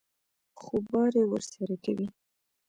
خوباري ورسره کوي.